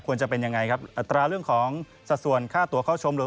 ควรจะเป็นยังไงครับแต่เอาเรื่องของสัดส่วนค่าตัวเข้าชม